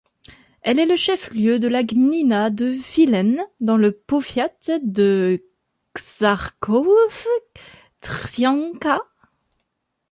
Elle est le chef-lieu de la gmina de Wieleń, dans le powiat de Czarnków-Trzcianka.